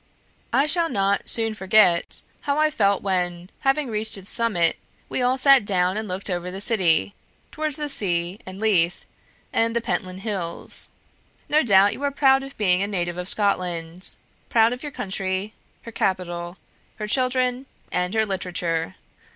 I shall not soon forget how I felt when, having reached its summit, we all sat down and looked over the city towards the sea and Leith, and the Pentland Hills. No doubt you are proud of being a native of Scotland, proud of your country, her capital, her children, and her literature.